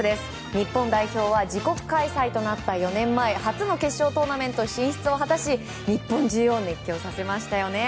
日本代表は自国開催となった４年前初の決勝トーナメント進出を果たし日本中を熱狂させましたよね。